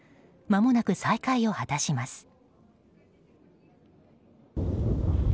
まもなく再会を果たします。